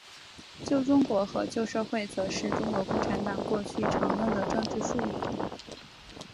旧中国和旧社会则是中国共产党过去常用的政治术语。